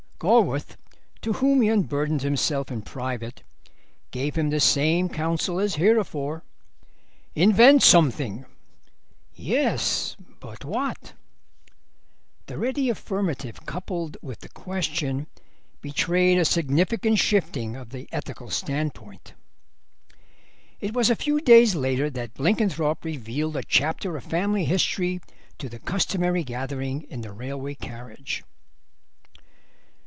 Gorworth, to whom he unburdened himself in private, gave him the same counsel as heretofore. "Invent something." "Yes, but what?" The ready affirmative coupled with the question betrayed a significant shifting of the ethical standpoint. It was a few days later that Blenkinthrope revealed a chapter of family history to the customary gathering in the railway carriage.